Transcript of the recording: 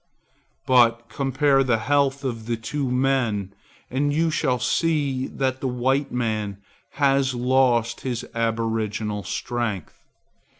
But compare the health of the two men and you shall see that the white man has lost his aboriginal strength.